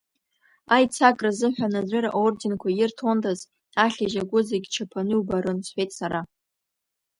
Аицакра азыҳәан аӡәыр аорденқәа ирҭондаз, ахьажь агәы зегьы чаԥаны иубарын, – сҳәеит сара.